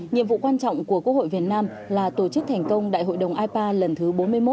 nhiệm vụ quan trọng của quốc hội việt nam là tổ chức thành công đại hội đồng ipa lần thứ bốn mươi một